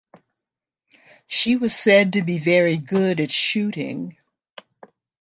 She was said to be very good at shooting.